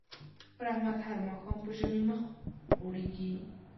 پر احمد هر ماښام په ژمي مخ غوړېږي.